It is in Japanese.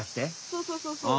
そうそうそうそう。